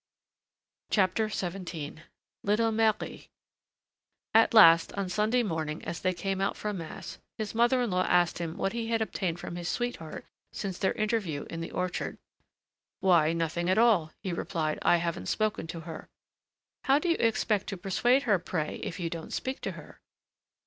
XVII LITTLE MARIE At last, on Sunday morning as they came out from Mass, his mother in law asked him what he had obtained from his sweetheart since their interview in the orchard. "Why, nothing at all," he replied. "I haven't spoken to her." "How do you expect to persuade her, pray, if you don't speak to her?"